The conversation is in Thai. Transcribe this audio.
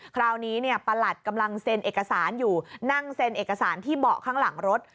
คราวนี้เนี่ยประหลัดกำลังเซ็นเอกสารอยู่นั่งเซ็นเอกสารที่เบาะข้างหลังรถ